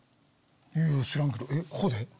知らんけどここで？